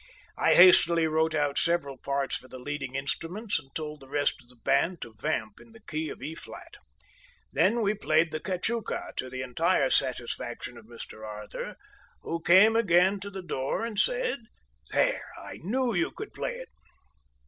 I hastily wrote out several parts for the leading instruments, and told the rest of the band to vamp in the key of E flat. Then we played the "Cachuca" to the entire satisfaction of Mr. Arthur, who came again to the door and said: "There, I knew you could play it."